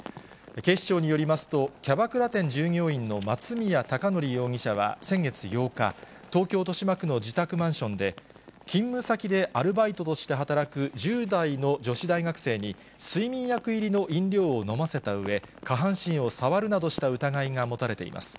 警視庁によりますと、キャバクラ店従業員の松宮貴紀容疑者は先月８日、東京・豊島区の自宅マンションで、勤務先でアルバイトとして働く１０代の女子大学生に、睡眠薬入りの飲料を飲ませたうえ、下半身を触るなどした疑いが持たれています。